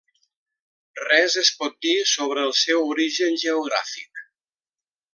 Res es pot dir sobre el seu origen geogràfic.